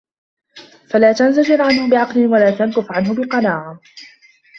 فَلَا تَنْزَجِرُ عَنْهُ بِعَقْلٍ وَلَا تَنْكَفُّ عَنْهُ بِقَنَاعَةٍ